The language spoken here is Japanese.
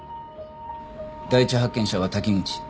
第一発見者は滝口。